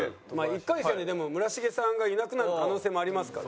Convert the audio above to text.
１回戦ででも村重さんがいなくなる可能性もありますから。